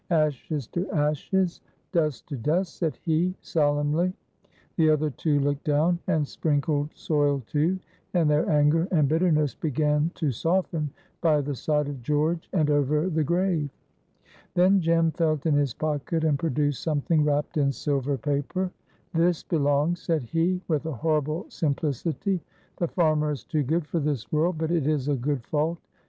"Ashes to ashes, dust to dust," said he, solemnly. The other two looked down and sprinkled soil, too, and their anger and bitterness began to soften by the side of George and over the grave. Then Jem felt in his pocket and produced something wrapped in silver paper. "This belongs!" said he, with a horrible simplicity. "The farmer is too good for this world, but it is a good fault.